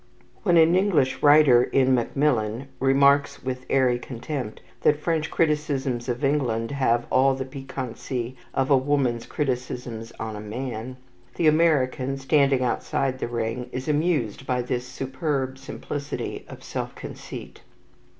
When an English writer in "Macmillan" remarks with airy contempt that French criticisms on England have "all the piquancy of a woman's criticisms on a man," the American standing outside the ring is amused by this superb simplicity of self conceit.